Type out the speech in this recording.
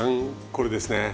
これですね。